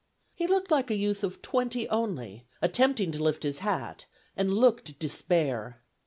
He looked like a youth of twenty only, attempting to lift his hat, and looked despair.